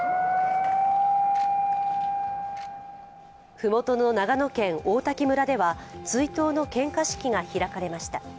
ふもとの長野県王滝村では追悼の献花式が開かれました。